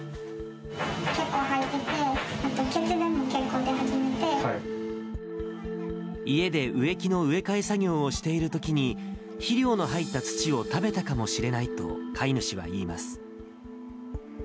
結構吐いてて、家で植木の植え替え作業をしているときに、肥料の入った土を食べたかもしれないと飼い主は言います。